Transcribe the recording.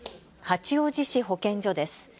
八王子市保健所です。